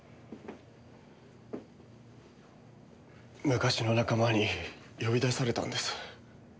昔の仲間に呼び出されたんです。